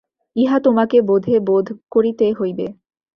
ইহা তোমাকে বোধে বোধ করিতে হইবে।